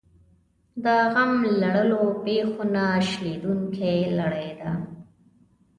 د غم لړلو پېښو نه شلېدونکې لړۍ ده.